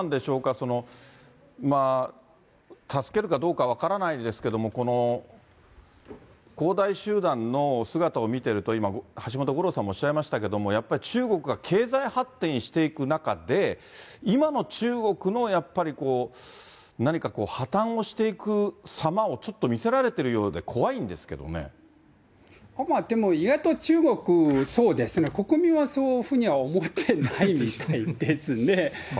そのまあ、助けるかどうか分からないですけど、この恒大集団の姿を見てると、今、橋本五郎さんもおっしゃいましたけれども、やっぱり中国が経済発展していく中で、今の中国のやっぱりこう、何かこう、破綻をしていくさまをちょっと見せられているようで、怖いんですでも、意外と中国、そうですね、国民はそういうふうには思ってないみたいですね。